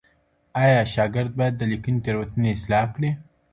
ایا شاګرد باید د ليکني تېروتني اصلاح کړي؟